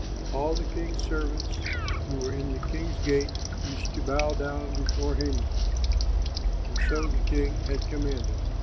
All the king's servants who were in the king's gate used to bow down before Haman, for so the king had commanded.